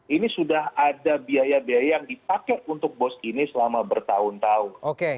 ini sudah ada biaya biaya yang dipakai untuk bos ini selama bertahun tahun